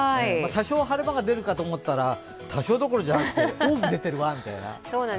多少は晴れ間が出るかと思ったら多少どころじゃなくて多く出ているわみたいな。